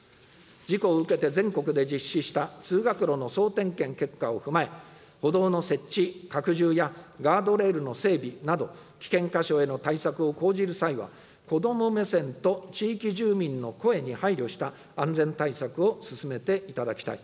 事故を受けて、全国で実施した通学路の総点検結果を踏まえ、歩道の設置・拡充やガードレールの整備など、危険箇所への対策を講じる際は、子ども目線と地域住民の声に配慮した安全対策を進めていただきたい。